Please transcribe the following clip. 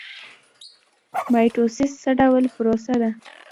مایټوسیس څه ډول پروسه ده؟